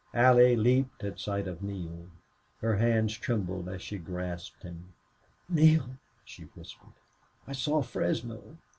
Allie leaped at sight of Neale. Her hands trembled as she grasped him. "Neale!" she whispered. "I saw Fresno!"